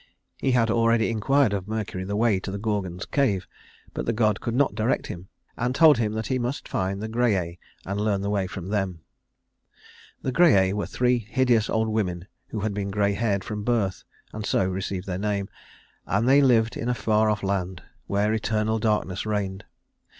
He had already inquired of Mercury the way to the Gorgon's cave, but the god could not direct him, and told him that he must find the Grææ and learn the way from them. The Grææ were three hideous old women who had been gray haired from birth, and so received their name, and they lived in a far off land, where eternal darkness reigned.